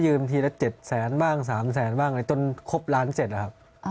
ลืมทีละ๗แสนบ้าง๓แสนบ้างจนครบร้านเสร็จแล้วครับ